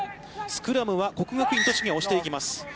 スクラムは国学院栃木が押していきます。